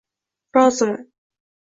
Roziman.